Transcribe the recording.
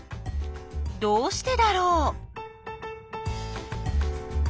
どうしてだろう？